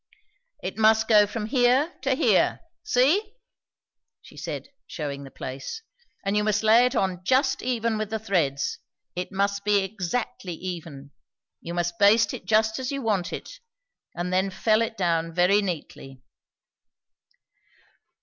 "It must go from here to here see?" she said, shewing the place; "and you must lay it just even with the threads; it must be exactly even; you must baste it just as you want it; and then fell it down very neatly."